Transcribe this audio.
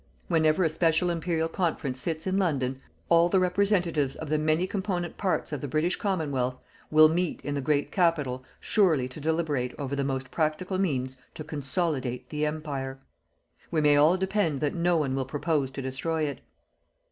Whenever a special Imperial Conference sits in London, all the representatives of the many component parts of the British Commonwealth will meet in the great Capital surely to deliberate over the most practical means TO CONSOLIDATE THE EMPIRE. We may all depend that no one will propose to destroy it.